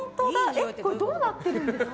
これ、どうなってるんですか？